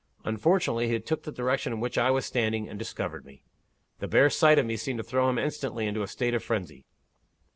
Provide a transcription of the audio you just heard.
Unfortunately, he took the direction in which I was standing, and discovered me. The bare sight of me seemed to throw him instantly into a state of frenzy.